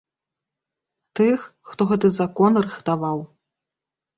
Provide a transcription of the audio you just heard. Тых, хто гэты закон рыхтаваў.